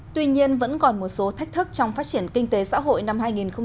tuy nhiên vẫn còn một số thách thức trong phát triển kinh tế xã hội năm hai nghìn một mươi chín